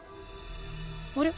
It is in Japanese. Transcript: あれ？